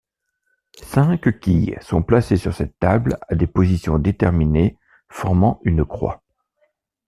Cinq quilles sont placées sur cette table à des positions déterminées formant une croix.